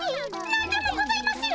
何でもございません